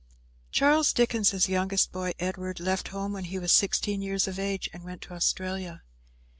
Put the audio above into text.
Charles Dickens' youngest boy, Edward, left home when he was sixteen years of age and went to Australia.